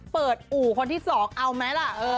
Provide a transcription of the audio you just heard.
เปิดอู่คนที่สองเอาไหมละ